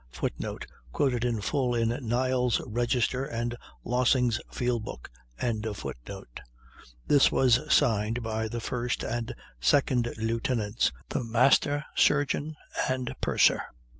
[Footnote: Quoted in full in "Niles' Register" and Lossing's "Field Book."] This was signed by the first and second lieutenants, the master, surgeon and purser.